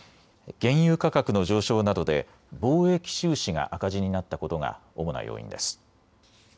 原油価格の上昇などで貿易収支が赤字になったことが主な要因です。